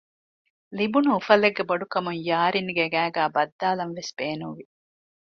ލިބުނު އުފަލެއްގެ ބޮޑުކަމުން ޔާރިންގެ ގައިގައި ބައްދާލަންވެސް ބޭނުންވި